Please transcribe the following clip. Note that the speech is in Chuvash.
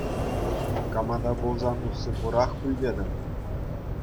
Кама та пулсан усси пурах пуль тетӗп.